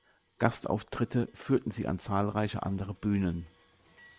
Gastauftritte führten sie an zahlreiche andere Bühnen.